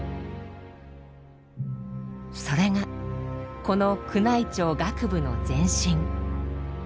それがこの宮内庁楽部の前身。